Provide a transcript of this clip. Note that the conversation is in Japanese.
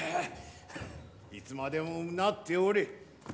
いつまでも唸っておれ。